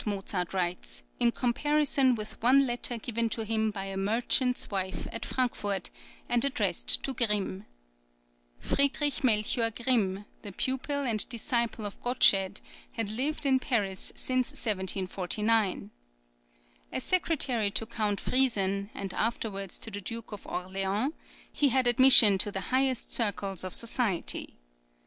Mozart writes, in comparison with one letter given to him by a merchant's wife at Frankfort, and addressed to Grimm. Friedrich Melchior Grimm, the pupil and disciple of Gottsched,[20020] had lived in Paris since 1749. As secretary to Count Friesen, and afterwards to the Duke of Orleans, he had admission to the highest circles of society.